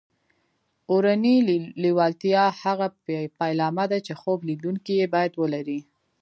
اورنۍ لېوالتیا هغه پیلامه ده چې خوب لیدونکي یې باید ولري